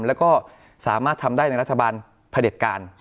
แล้วก็สามารถทำได้ในรัฐบาลผลิตการ